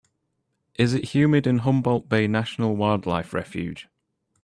is it humid in Humboldt Bay National Wildlife Refuge